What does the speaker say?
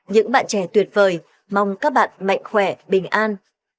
những bạn trẻ tuyệt vời mong các bạn mạnh khỏe bình an